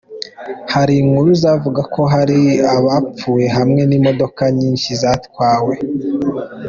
Hari inkuru zavuga ko hari abapfuye hamwe n'imodoka nyinshi zatwawe.